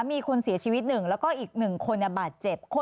มีคนเสียชีวิตหนึ่งแล้วก็อีกหนึ่งคนบาดเจ็บ